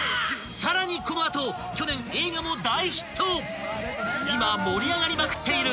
［さらにこの後去年映画も大ヒット今盛り上がりまくっている］